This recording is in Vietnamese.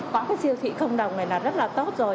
có cái siêu thị không đồng này là rất là tốt rồi